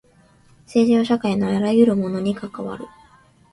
政治は社会のあらゆるものに関わる。